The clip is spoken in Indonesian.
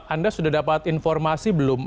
anda sudah dapat informasi belum